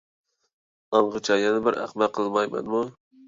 ئاڭغىچە يەنە بىر ئەخمەق قىلمايمەنمۇ!